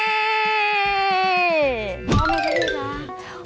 พร้อมครับค่ะ